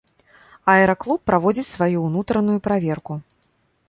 Аэраклуб праводзіць сваю ўнутраную праверку.